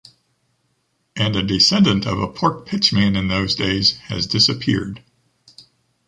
And a descendant of a pork pitchman in those days has disappeared.